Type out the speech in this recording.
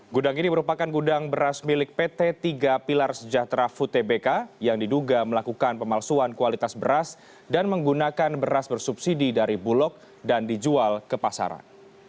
gudang ini merupakan gudang beras milik pt tiga pilar sejahtera food tbk yang diduga melakukan pemalsuan kualitas beras dan menggunakan beras bersubsidi dari bulog dan dijual ke pasaran